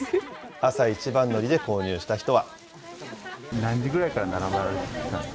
朝一番乗りで購入した人は。